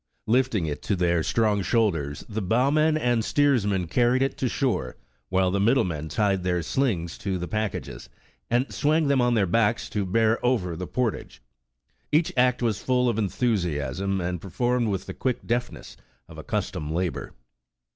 Lifting it to their strong shoulders, the bowman and steersman carried it to shore, while the middle men tied their slings to the packages, and swamg them on their backs to bear over the portage. Each act was full of enthusiasm, and per formed with the quick deftness of accustomed labor.